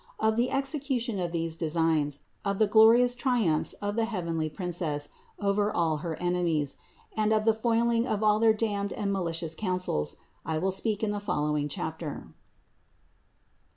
Of the execution of these designs, of the glorious triumphs of the heavenly Princess over all her enemies, and of the foiling of all their damned and ma licious counsels, I will speak in the following chapter.